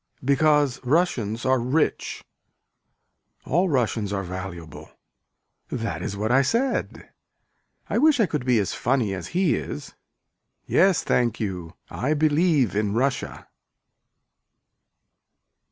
Because Russians are rich. All Russians are valuable. That is what I said. I wish I could be as funny as he is. Yes thank you I believe in Russia.